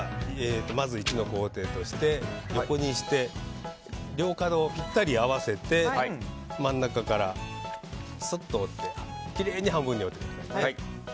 まず、１の工程として横にして両角をぴったり合わせて真ん中からすっと折ってきれいに半分に折ってください。